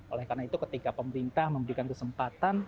oleh karena itu ketika pemerintah memberikan kesempatan